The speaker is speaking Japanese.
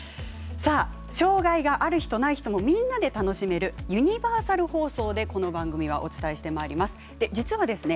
障がいがある人、ない人もみんなが楽しめるユニバーサル放送でこの番組はお伝えしていきます。